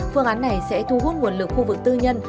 phương án này sẽ thu hút nguồn lực khu vực tư nhân